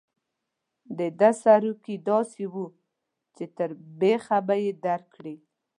د ده سروکي داسې وو چې تر بېخه به یې درکړي.